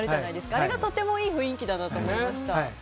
あれがとてもいい雰囲気だなと思いました。